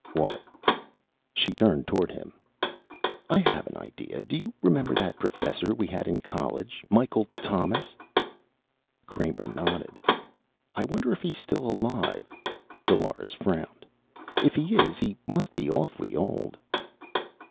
"What?" She turned toward him. "I have an idea. Do you remember that professor we had in college. Michael Thomas?" Kramer nodded. "I wonder if he's still alive." Dolores frowned. "If he is he must be awfully old."